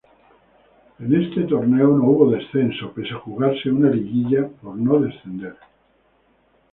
En este torneo no hubo descenso, pese a jugarse una liguilla por no descender.